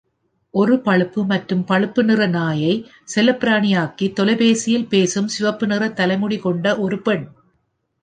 ஒரு பழுப்பு மற்றும் பழுப்பு நிற நாயைப் செல்லப்பிராணியாக்கி தொலைபேசியில் பேசும் சிவப்பு நிற தலைமுடி கொண்ட ஒரு பெண்.